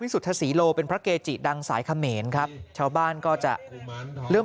สุธศรีโลเป็นพระเกจิดังสายเขมรครับชาวบ้านก็จะเริ่ม